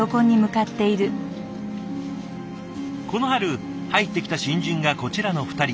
この春入ってきた新人がこちらの２人。